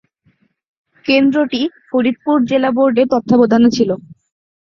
কেন্দ্রটি ফরিদপুর জেলা বোর্ডের তত্ত্বাবধানে ছিল।